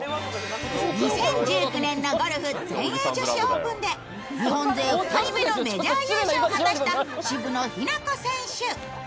２０１９年のゴルフ、全英女子オープンで日本勢２人目のメジャー優勝を果たした渋野日向子選手。